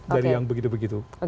dari yang begitu begitu